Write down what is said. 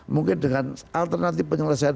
mungkin dengan alternatif penyelesaian